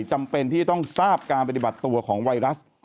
จำเป็นที่ต้องทราบการปฏิบัติตัวของไวรัส